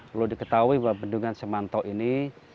perlu diketahui bahwa bendungan semantau ini